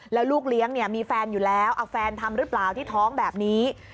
แล้วลูกเลี้ยงเนี่ยมีแฟนอยู่แล้วเอาแฟนทำหรือเปล่าที่ท้องแบบนี้